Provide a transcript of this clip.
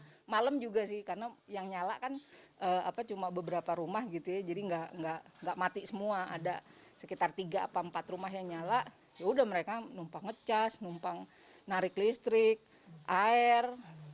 terus malam juga sih karena yang nyala kan cuma beberapa rumah gitu ya jadi nggak mati semua ada sekitar tiga empat rumah yang nyala ya udah mereka numpang ngecas numpang narik listrik air